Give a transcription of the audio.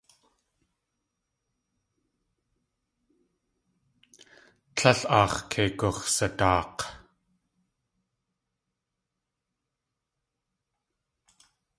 Tlél aax̲ kei gux̲sadaak̲.